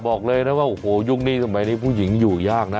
บอกเลยนะว่าโอ้โหยุคนี้สมัยนี้ผู้หญิงอยู่ยากนะ